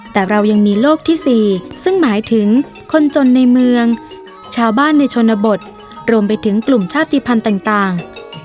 แต่เรายังมีโลกที่๔ซึ่งหมายถึงคนจนในเมืองชาวบ้านในชนบทรวมไปถึงกลุ่มชาติภัณฑ์ต่าง